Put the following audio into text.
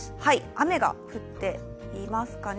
雨が降っていますかね。